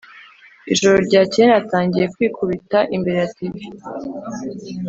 ijoro ryakeye natangiye kwikubita imbere ya tv